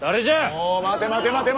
お待て待て待て待て待て。